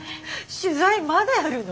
取材まだやるの？